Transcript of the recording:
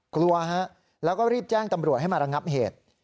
กลัวฮะแล้วก็รีบแจ้งตำรวจให้มาระงับเหตุ